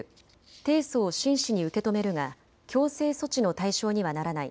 提訴を真摯に受け止めるが強制措置の対象にはならない。